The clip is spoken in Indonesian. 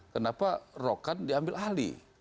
kenapa rokan diambil ahli